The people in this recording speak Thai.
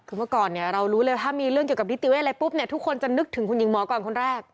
คือเมื่อก่อนเนี่ยเรารู้เลยถ้ามีเรื่องเกี่ยวกับนิติเวศอะไรปุ๊บเนี่ยทุกคนจะนึกถึงคุณหญิงหมอก่อนคนแรก